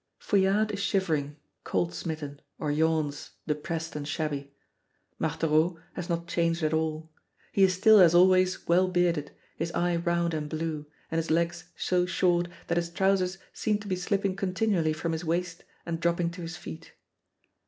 Fouillade is shivering, cold smitten, or yawns, depressed and shabby. Marthereau has not changed at all. He is still as always well bearded, his eye round and blue, and his legs so short that his trousers seem to be slipping continually from his waist and dropping to his feet.